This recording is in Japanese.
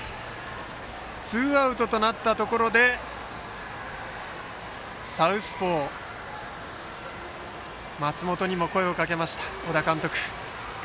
ツーアウトとなったところで松元にも声をかけました小田監督。